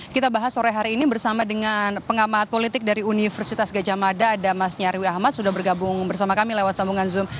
kita bahas sore hari ini bersama dengan pengamat politik dari universitas gajah mada ada mas nyarwi ahmad sudah bergabung bersama kami lewat sambungan zoom